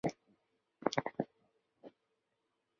现任校长为张耀忠先生。